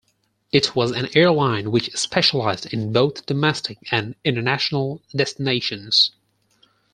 It was an airline which specialized in both domestic and international destinations.